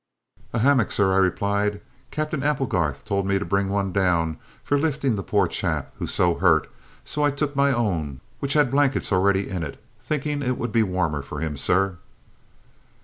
"A hammock, sir," I replied. "Cap'en Applegarth told me to bring one down for lifting the poor chap who's so hurt, and so I took my own, which had blankets already in it, thinking it would be warmer for him, sir."